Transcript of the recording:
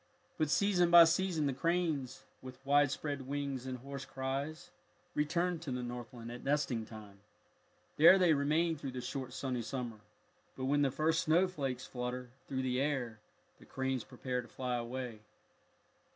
But season by season the cranes, with wide spread wings and hoarse cries, return to the Northland at nesting time. There they remain through the short sunny summer, but when the first snowflakes flutter through the air the cranes prepare to fly away.